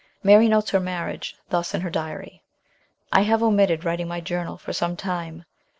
Mary notes her mar riage thus in her diary :" I have omitted writing my journal for some time.